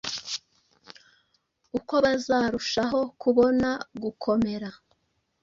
Uko bazarushasho kubona gukomera,